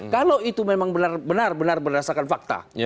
kalau itu memang benar benar berdasarkan fakta